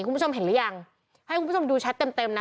คุณผู้ชมเห็นหรือยังให้คุณผู้ชมดูแชทเต็มเต็มนะ